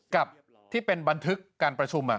กับที่เป็นบันทึกการประชุม